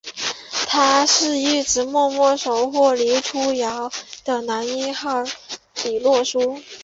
他是一直默默守护黎初遥的男一号李洛书！